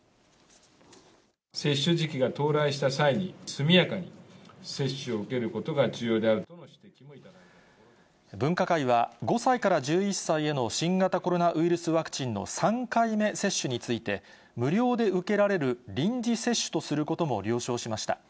接種時期が到来した際に、速やかに接種を受けることが重要分科会は、５歳から１１歳への新型コロナウイルスワクチンの３回目接種について、無料で受けられる臨時接種とすることも了承しました。